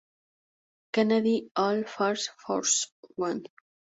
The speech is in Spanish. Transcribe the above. Kennedy al Air Force One.